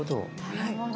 なるほど。